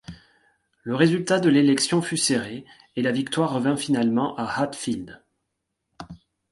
Le résultat de l'élection fut serré, et la victoire revint finalement à Hatfield.